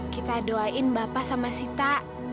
kita doain bapak sama sita